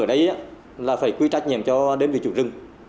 ở đây là phải quy trách nhiệm cho đơn vị chủ rừng